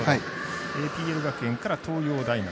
ＰＬ学園から東洋大学。